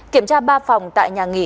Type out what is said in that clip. kiểm tra ba phòng tại nhà nghị